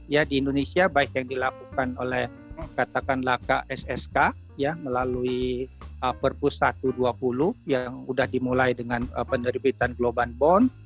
ya di indonesia baik yang dilakukan oleh katakanlah kssk ya melalui perpus satu ratus dua puluh yang sudah dimulai dengan penerbitan global bond